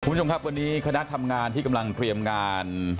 คุณผู้ชมครับวันนี้คณะทำงานที่กำลังเตรียมงาน